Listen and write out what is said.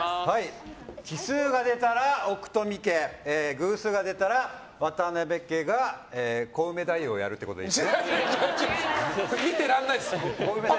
奇数が出たら奥冨家偶数が出たら渡邉家がコウメ太夫をやるってことでいいですね。